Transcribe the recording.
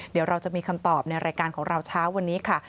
เดี๋ยวเราจะมีคำตอบในรายการของเราเช้าวันนี้ค่ะ